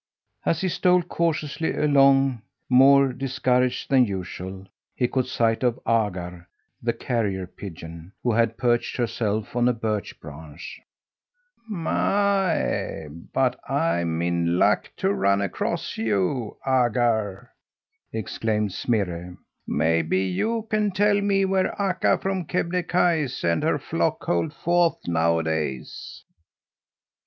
As he stole cautiously along, more discouraged than usual, he caught sight of Agar, the carrier pigeon, who had perched herself on a birch branch. "My, but I'm in luck to run across you, Agar!" exclaimed Smirre. "Maybe you can tell me where Akka from Kebnekaise and her flock hold forth nowadays?"